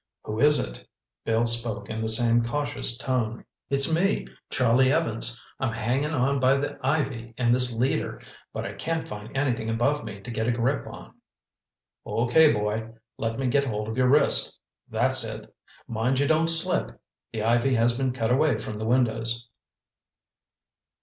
"Who is it?" Bill spoke in the same cautious tone. "It's me. Charlie Evans. I'm hangin' on by the ivy and this leader—but I can't find anything above me to get a grip on." "Okay, boy. Let me get hold of your wrist—that's it. Mind you don't slip! The ivy has been cut away from the windows."